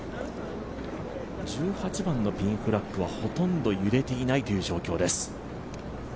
１８番のピンフラッグはほとんど揺れていないという状況です。